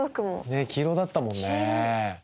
ねえ黄色だったもんね。